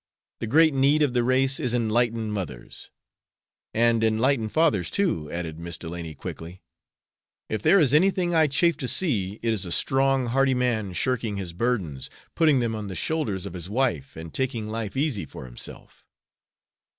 The great need of the race is enlightened mothers." "And enlightened fathers, too," added Miss Delany, quickly. "If there is anything I chafe to see it is a strong, hearty man shirking his burdens, putting them on the shoulders of his wife, and taking life easy for himself."